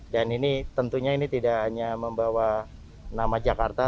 dan ini tentunya tidak hanya membawa nama jakarta